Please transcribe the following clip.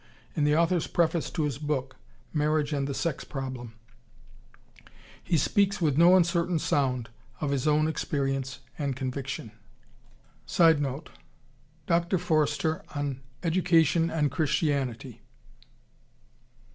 In the author's preface to his book, "Marriage and the Sex Problem," he speaks with no uncertain sound of his own experience and conviction. [Sidenote: Dr. Foerster on Education and Christianity.